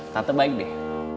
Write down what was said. tante baik deh